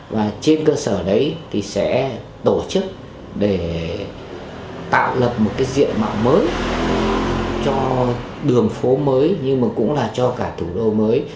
và trên cơ sở đấy thì sẽ tổ chức để tạo lập một cái diện mạo mới cho đường phố mới nhưng mà cũng là cho cả thủ đô mới